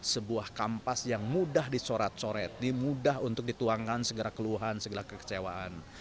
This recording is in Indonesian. sebuah kampas yang mudah disorot coret mudah untuk dituangkan segera keluhan segala kekecewaan